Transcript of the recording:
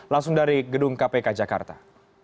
langsung dari gedung kpk jakarta